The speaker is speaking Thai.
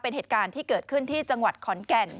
เป็นเหตุการณ์ที่เกิดขึ้นที่จังหวัดขอนแก่น